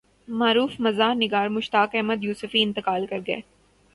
معروف مزاح نگار مشتاق احمد یوسفی انتقال کرگئے